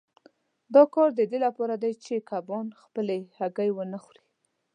دا کار د دې لپاره دی چې کبان خپلې هګۍ ونه خوري.